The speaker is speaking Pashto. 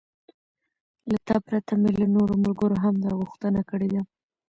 له تا پرته مې له نورو ملګرو هم دا غوښتنه کړې ده.